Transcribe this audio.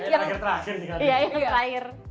yang terakhir nih kali ini